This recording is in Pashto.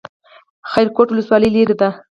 خیرکوټ ولسوالۍ لیرې ده؟